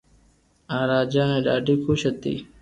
او راجا تي ڌاڌي خوݾ ھتي